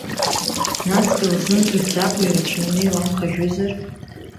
Нас илзымдырӡакәа ирацәаны иламхажәызар?